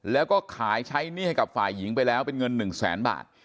แล้วก็ขายใช้หนี้ให้กับฝ่ายหญิงไปแล้วเป็นเงิน๑แสนบาท